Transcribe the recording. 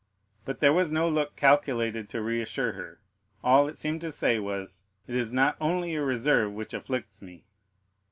But there was no look calculated to reassure her; all it seemed to say was, "It is not only your reserve which afflicts me."